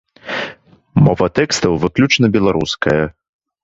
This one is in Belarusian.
Мова тэкстаў выключна беларуская.